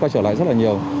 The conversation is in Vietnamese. qua trở lại rất là nhiều